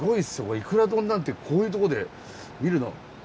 いくら丼なんてこういうとこで見るの。